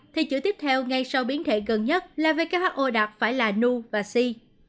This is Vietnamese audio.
thì chữ tiếp theo ngay sau biến thể gần nhất là who đặt phải là nu và si